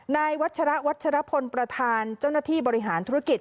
นายวัชระวัชรพลประธานเจ้าหน้าที่บริหารธุรกิจ